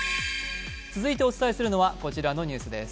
続いてお伝えするのは、こちらのニュースです。